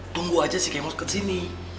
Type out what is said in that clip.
tunggu aja si kemot ke sini